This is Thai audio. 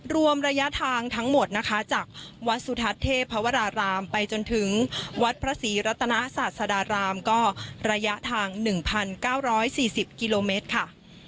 รวมระยะทางทั้งหมดนะคะจากวัดสุทัศน์เทพวรารามไปจนถึงวัดพระศรีรัตนาศาสดารามก็ระยะทาง๑๙๔๐กิโลเมตรค่ะ